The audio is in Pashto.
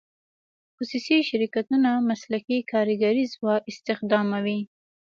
خصوصي شرکتونه مسلکي کارګري ځواک استخداموي.